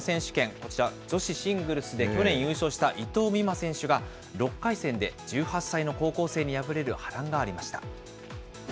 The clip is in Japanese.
こちら、女子シングルスで去年優勝した伊藤美誠選手が、６回戦で１８歳の高校生に敗れる波乱がありました。